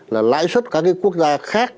là lãi xuất các cái quốc gia khác